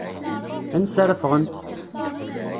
Ansa ara ffɣent?